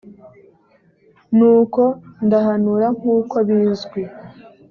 nuko ndahanura nk uko bizwi